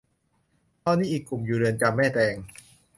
ตอนนี้อีกกลุ่มอยู่เรือนจำแม่แตง